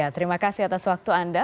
terima kasih atas waktu anda